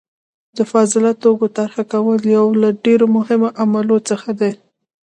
د فاضله توکي طرحه کول یو له ډیرو مهمو عملیو څخه دي.